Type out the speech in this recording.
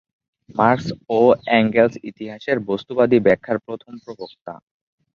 Marks ও Engels ইতিহাসের বস্তুবাদী ব্যাখ্যার প্রথম প্রবক্তা।